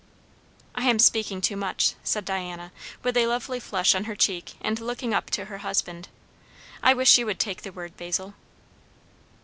"I am speaking too much!" said Diana, with a lovely flush on her cheek, and looking up to her husband. "I wish you would take the word, Basil."